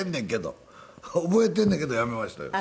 覚えてんねんけどやめましたよ。